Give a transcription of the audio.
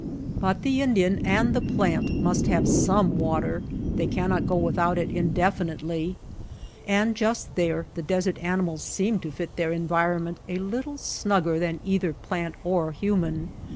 But the Indian and the plant must have some water. They cannot go without it indefinitely. And just there the desert animals seem to fit their environment a little snugger than either plant or human.